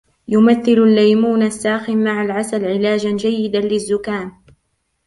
يمثل الليمون الساخن مع العسل علاجا جيدا للزكام.